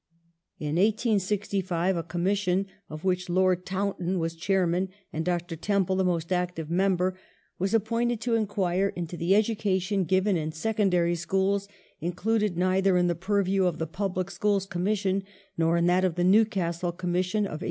In 1865 a Commission, of which Lord Taunton was chairman The En and Dr. Temple the most active member, was appointed to enquire o°J^^^, into the education given in Secondary schools included neither in Act, i86g the purview of the Public Schools Commission, nor in that of the Newcastle Commission of 1859.